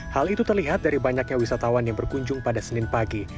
hal itu terlihat dari banyaknya wisatawan yang berkunjung pada senin pagi